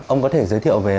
ông có thể giới thiệu về